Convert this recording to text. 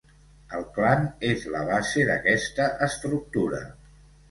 El clan és la base d'aquesta estructura.